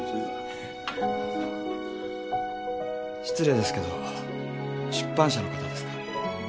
失礼ですけど出版社の方ですか？